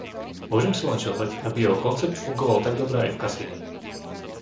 Môžem si len želať, aby jeho koncept fungoval tak dobre aj v kasíne.